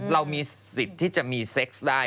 เรามีสิทธิ์ที่จะมีเซ็กซ์ได้